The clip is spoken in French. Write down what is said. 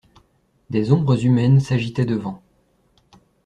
Des ombres humaines s'agitaient devant.